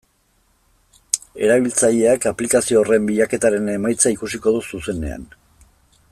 Erabiltzaileak aplikazio horren bilaketaren emaitza ikusiko du zuzenean.